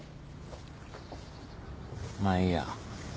まあいいや。